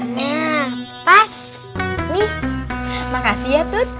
lima ribu nah pas nih makasih ya tut